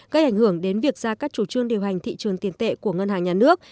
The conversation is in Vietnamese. gây ảnh hưởng đến việc ra các chủ trương điều hành thị trường tiền tệ của ngân hàng nhà nước